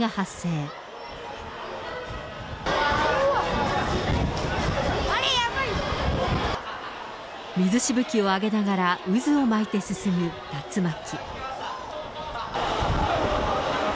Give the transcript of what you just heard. うわぁ、水しぶきを上げながら、渦を巻いて進む竜巻。